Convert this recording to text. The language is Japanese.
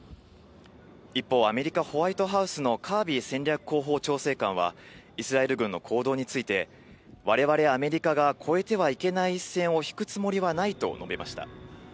一方、アメリカ、ホワイトハウスのカービー戦略広報調整官は、イスラエル軍の行動について、われわれアメリカが越えてはいけない一線を引くつもりはないと述べました。